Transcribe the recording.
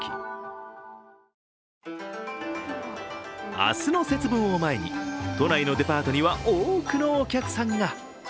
明日の節分を前に都内のデパートには、多くのお客さんが。